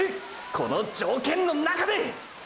この条件の中で！！